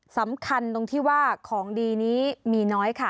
สำคัญตรงที่ว่าของดีนี้มีน้อยค่ะ